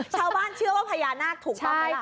ชาวบ้านเชื่อว่าพญานาคถูกต้องไหม